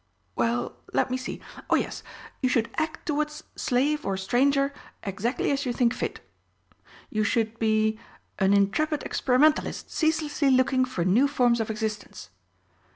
"Well, let me see oh, yes, you should 'act towards slave or stranger exactly as you think fit.' You should be 'an intrepid experimentalist, ceaselessly looking for new forms of existence.'